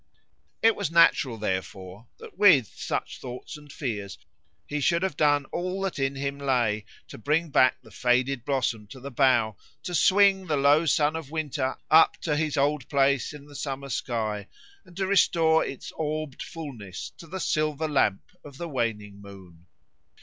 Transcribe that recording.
It was natural, therefore, that with such thoughts and fears he should have done all that in him lay to bring back the faded blossom to the bough, to swing the low sun of winter up to his old place in the summer sky, and to restore its orbed fulness to the silver lamp of the waning moon.